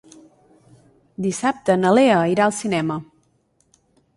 Dissabte na Lea irà al cinema.